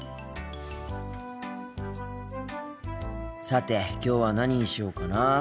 さてきょうは何にしようかなあ。